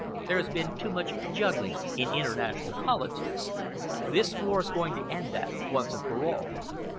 There has been too much juggling in international politics. This war is going to end that, once and for ever.